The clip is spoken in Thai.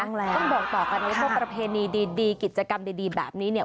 ต้องแล้วต้องบอกต่อกันว่าประเภณีดีกิจกรรมดีแบบนี้เนี้ย